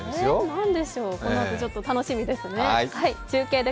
何でしょう、このあと楽しみですね。